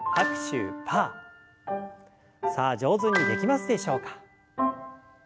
さあ上手にできますでしょうか。